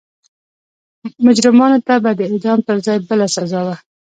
مجرمانو ته به د اعدام پر ځای بله سزا وه.